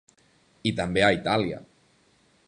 I també a Itàlia.